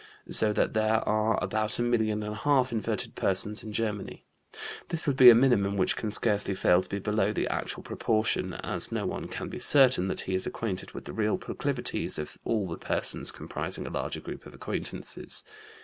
So that there are about a million and a half inverted persons in Germany. This would be a minimum which can scarcely fail to be below the actual proportion, as no one can be certain that he is acquainted with the real proclivities of all the persons comprising a larger group of acquaintances.